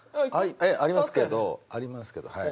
ありますけどありますけどはい。